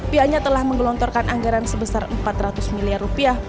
pihaknya telah menggelontorkan anggaran sebesar empat ratus miliar rupiah